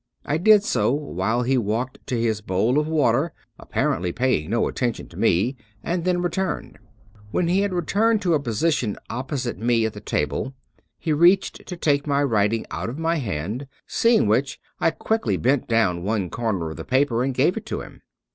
I did so while he walked to his bowl of water apparently paying no attention to me, and then returned. When he had returned to a position opposite me at the table, he reached to take my writing out of my hand ; seeing which I quickly bent down one comer of the paper and gave it to him.